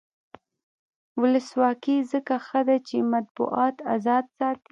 ولسواکي ځکه ښه ده چې مطبوعات ازاد ساتي.